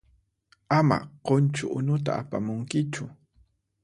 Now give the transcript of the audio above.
Ama qunchu unuta apamunkichu.